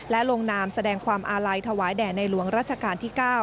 และลงนามแสดงความอาลัยถวายแด่ในหลวงรัชกาลที่๙